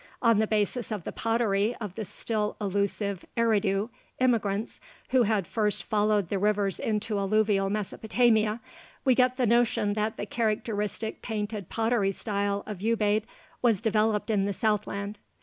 On the basis of the pottery of the still elusive "Eridu" immigrants who had first followed the rivers into alluvial Mesopotamia, we get the notion that the characteristic painted pottery style of Ubaid was developed in the southland.